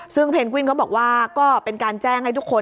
ซึ่งเพนกวินเขาบอกว่าก็เป็นการแจ้งให้ทุกคน